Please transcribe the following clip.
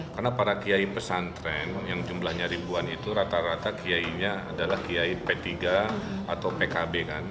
karena para kiai pesantren yang jumlahnya ribuan itu rata rata kiai nya adalah kiai p tiga atau pkb kan